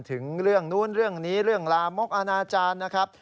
ถึงเรื่องนู้นเรื่องนี้เรื่องลามกอนาจารย์นะครับ